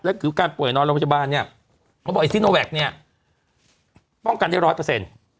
ถือการป่วยนอนโรงพยาบาลเนี่ยเขาบอกไอซิโนแวคเนี่ยป้องกันได้ร้อยเปอร์เซ็นต์